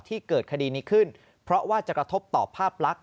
เกิดคดีนี้ขึ้นเพราะว่าจะกระทบต่อภาพลักษณ